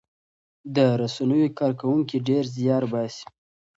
د رسنیو کارکوونکي ډېر زیار باسي.